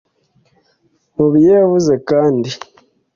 Mu byo yavuze kandi